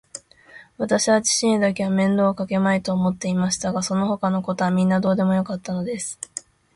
わたしは父にだけは面倒をかけまいと思っていましたが、そのほかのことはみんなどうでもよかったのです。